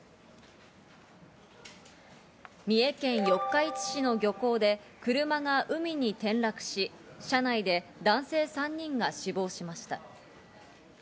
三重県四日市市の漁港で車が海に転落し、車内で男性３人が死亡しました。